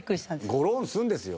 ゴロンするんですよ。